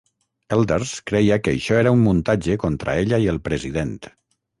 Elders creia que això era un muntatge contra ella i el president.